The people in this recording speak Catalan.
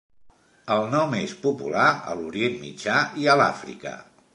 El nom és popular a l'Orient Mitjà i a l'Àfrica.